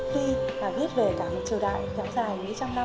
khi viết về cả một triều đại dã dài mấy trăm năm